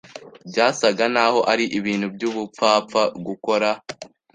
Byasaga naho ari ibintu by'ubupfapfa gukora